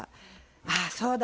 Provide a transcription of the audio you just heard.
あっそうだ！